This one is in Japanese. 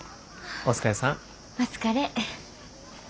お疲れ。